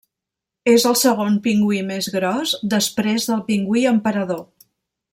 És el segon pingüí més gros després del pingüí emperador.